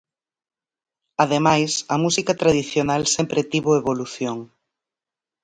Ademais, a música tradicional sempre tivo evolución.